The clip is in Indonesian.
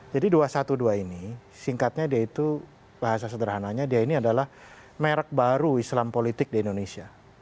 jadi dua ratus dua belas ini singkatnya dia itu bahasa sederhananya dia ini adalah merek baru islam politik di indonesia